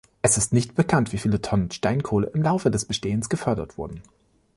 Es ist nicht bekannt, wie viele Tonnen Steinkohle im Laufe seines Bestehens gefördert wurden.